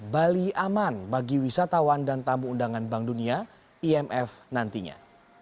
bali aman bagi wisatawan dan tamu undangan bank dunia imf nantinya